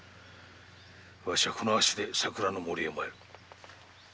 わしはこの足で桜の森へ参る。